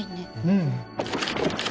うん。